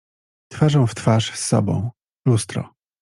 Twarzą w twarz z sobą: lustro.